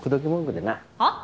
はっ？